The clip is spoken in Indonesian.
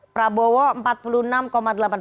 pertama adalah pranowo versus anies